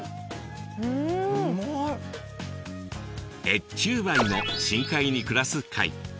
エッチュウバイも深海に暮らす貝。